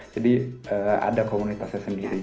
jadi ada komunitasnya sendiri